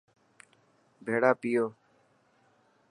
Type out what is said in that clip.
ڀيڙا پيو